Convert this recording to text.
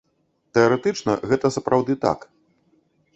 Тэарэтычна гэта сапраўды так.